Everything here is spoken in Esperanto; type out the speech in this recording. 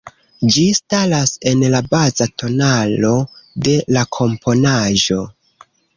Ĝi staras en la baza tonalo de la komponaĵo.